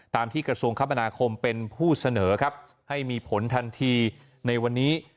ที่กระทรวงคมนาคมเป็นผู้เสนอครับให้มีผลทันทีในวันนี้